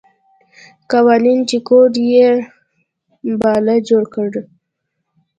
قوانین چې کوډ یې باله جوړ کړي.